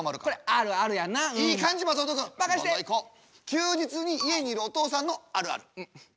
休日に家にいるお父さんのあるある。